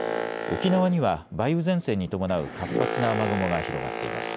沖縄には梅雨前線に伴う活発な雨雲が広がっています。